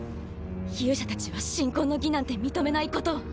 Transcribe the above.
勇者たちは神婚の儀なんて認めないことを。